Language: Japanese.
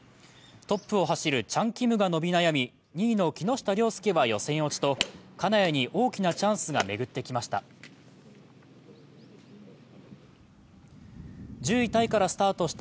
トップを走るチャン・キムが伸び悩み２位の木下稜介は予選落ちと、金谷に大きなチャンスが巡ってきました。